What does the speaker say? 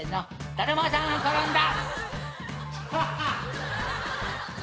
だるまさん転んだ！